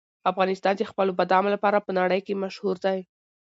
افغانستان د خپلو بادامو لپاره په نړۍ کې مشهور دی.